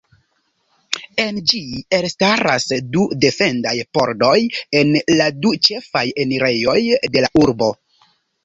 En ĝi elstaras du defendaj pordoj en la du ĉefaj enirejoj de la urbo.